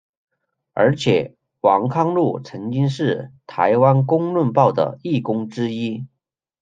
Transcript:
而且王康陆曾经是台湾公论报的义工之一。